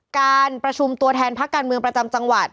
การประชุมตัวแทนพักการเมืองประจำจังหวัด